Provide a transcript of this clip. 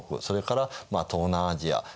それから東南アジア